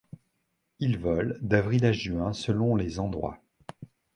Il vole d'avril à juin selon les endroits.